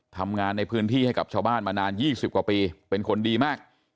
ทำงานในพื้นที่ให้กับชาวบ้านมานาน๒๐กว่าปีเป็นคนดีมาก